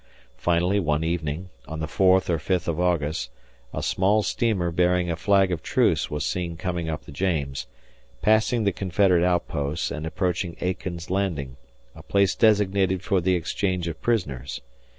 Finally, one evening, on the 4th or 5th of August, a small steamer bearing a flag of truce was seen coming up the James, passing the Confederate outposts and approaching Aiken's Landing, a place designated for the exchange of prisoners.